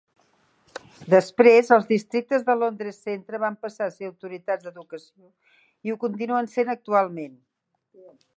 Després els districtes de Londres-Centre van passar a ser autoritats d'educació i ho continuen sent actualment.